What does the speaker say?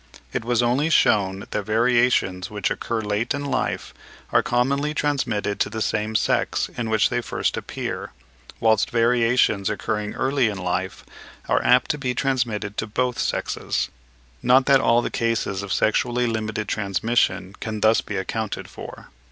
It was also shewn that variations which occur late in life are commonly transmitted to the same sex in which they first appear; whilst variations occurring early in life are apt to be transmitted to both sexes; not that all the cases of sexually limited transmission can thus be accounted for.